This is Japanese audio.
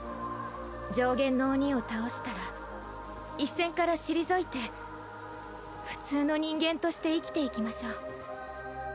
上弦の鬼を倒したら一線から退いて普通の人間として生きていきましょう。